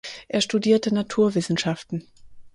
Er studierte Naturwissenschaften.